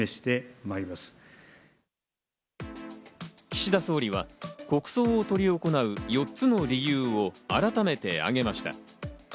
岸田総理は国葬をとり行う４つの理由を改めてあげました。